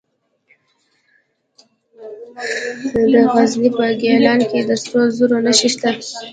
د غزني په ګیلان کې د سرو زرو نښې شته.